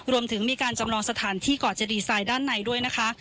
รวมถึงมีการจำลองสถานที่ก่อจะดีไซน์ด้านในด้วยนะคะ